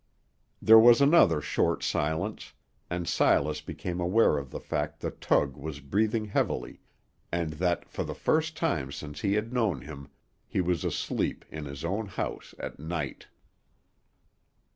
There was another short silence, and Silas became aware of the fact that Tug was breathing heavily, and that, for the first time since he had known him, he was asleep in his own house at night.